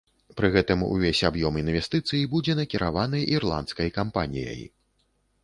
Пры гэтым увесь аб'ём інвестыцый будзе накіраваны ірландскай кампаніяй.